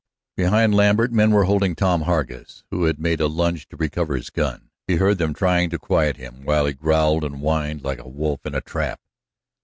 Behind Lambert men were holding Tom Hargus, who had made a lunge to recover his gun. He heard them trying to quiet him, while he growled and whined like a wolf in a trap.